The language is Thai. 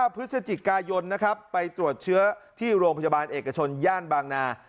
๒๙พฤศจิกายนไปตรวจเชื้อที่โรงพจบาลเอกชนย่านบางนา